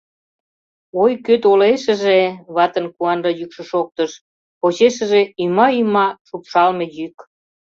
— Ой, кӧ толешыже... — ватын куанле йӱкшӧ шоктыш, почешыже — ӱма-ӱма — шупшалме йӱк.